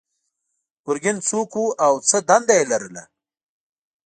ګرګین څوک و او څه دنده یې لرله؟